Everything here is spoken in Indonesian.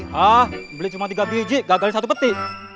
hah pembeli cuma tiga biji gagalin satu peti